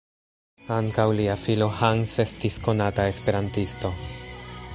Ankaŭ lia filo Hans estis konata esperantisto.